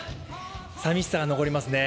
さみしさが残りますね。